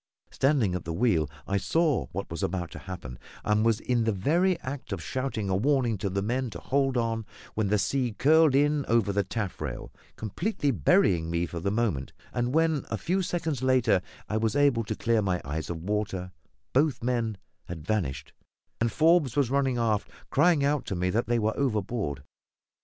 Standing at the wheel, I saw what was about to happen, and was in the very act of shouting a warning to the men to hold on, when the sea curled in over the taffrail, completely burying me for the moment; and when, a few seconds later, I was able to clear my eyes of water, both men had vanished, and Forbes was running aft, crying out to me that they were overboard.